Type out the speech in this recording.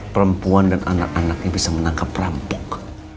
perempuan dan anak anaknya bisa menangkap perampok